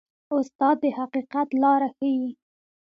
استاد د حقیقت لاره ښيي.